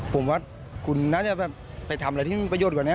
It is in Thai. ผมว่าคุณน่าจะแบบไปทำอะไรที่มีประโยชน์กว่านี้